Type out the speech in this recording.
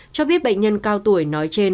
cho biết bệnh nhân cao tuổi nói trên